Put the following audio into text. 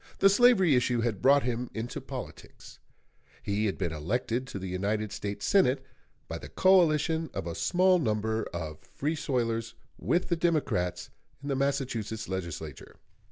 The slavery issue had brought him into politics; he had been elected to the United States Senate by the coalition of a small number of Free soilers with the Democrats in the Massachusetts Legislature.